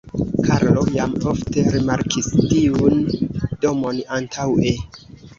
Karlo jam ofte rimarkis tiun domon antaŭe.